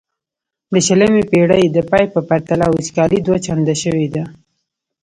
د شلمې پیړۍ د پای په پرتله وچکالي دوه چنده شوې ده.